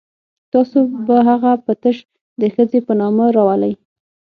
تاسو به هغه په تش د ښځې په نامه راولئ.